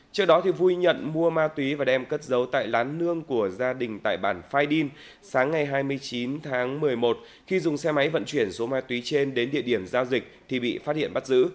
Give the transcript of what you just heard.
trước đó vui nhận mua ma túy và đem cất giấu tại lán nương của gia đình tại bản phaidin sáng ngày hai mươi chín tháng một mươi một khi dùng xe máy vận chuyển số ma túy trên đến địa điểm giao dịch thì bị phát hiện bắt giữ